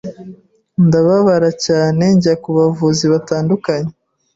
ndababara cyane njya ku bavuzi batandukanye